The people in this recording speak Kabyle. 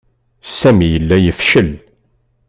Sami yella yefcel.